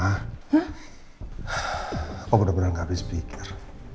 aku udah beneran gak habis pikir